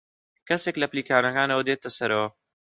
کەسێک لە پلیکانەکانەوە دێتە سەرەوە.